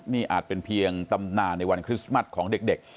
นี่อาจเป็นเพียงตำนานในวันคริสต์มัสของเด็ก